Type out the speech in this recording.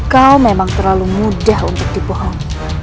kau memang terlalu mudah untuk dibohong